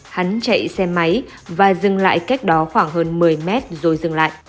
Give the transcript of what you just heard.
hắn chạy xe máy và dừng lại cách đó khoảng hơn một mươi mét rồi dừng lại